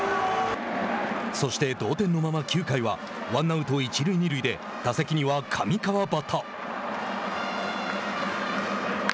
そして、同点のまま９回はワンアウト、一塁二塁で打席には上川畑。